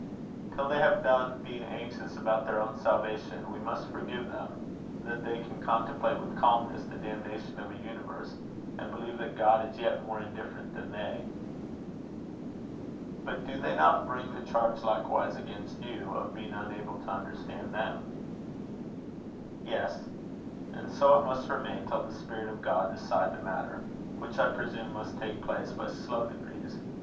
Till they have done being anxious about their own salvation, we must forgive them that they can contemplate with calmness the damnation of a universe, and believe that God is yet more indifferent than they." "But do they not bring the charges likewise against you, of being unable to understand them?" "Yes. And so it must remain, till the Spirit of God decide the matter, which I presume must take place by slow degrees.